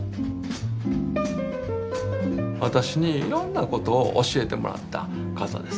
私にいろんなことを教えてもらった方です。